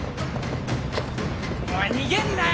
おい逃げんなよ！